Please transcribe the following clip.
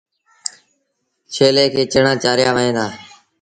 ڇيلي کي چڻآݩ چآريآ وهن دآ۔